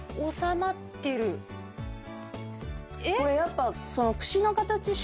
これやっぱはい。